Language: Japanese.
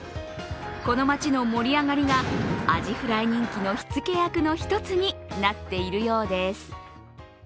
この街の盛り上がりがアジフライ人気の火付け役の１つになっているようです。